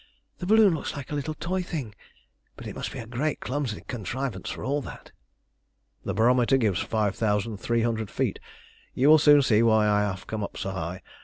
The balloon looks like a little toy thing, but it must be a great clumsy contrivance for all that." "The barometer gives five thousand three hundred feet. You will soon see why I have come up so high.